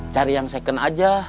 cari yang second aja